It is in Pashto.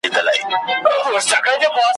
د هغو ورځو خواږه مي لا په خوله دي `